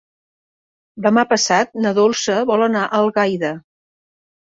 Demà passat na Dolça vol anar a Algaida.